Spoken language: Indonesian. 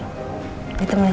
kita mandi sama jess